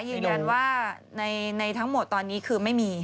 ยืนยันว่าในทั้งหมดตอนนี้คือไม่มี